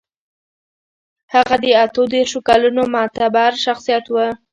هغه د اتو دېرشو کلونو معتبر شخصيت و.